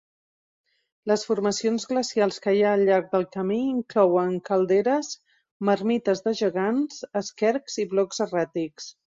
Les formacions glacials que hi ha al llarg del camí inclouen calderes, marmites de gegant, eskers i blocs erràtics.